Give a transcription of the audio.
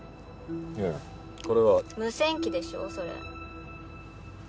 いやいやこれは無線機でしょそれ